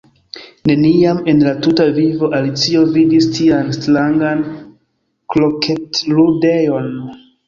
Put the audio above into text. Neniam en la tuta vivo Alicio vidis tian strangan kroketludejon.